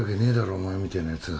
お前みてえなやつが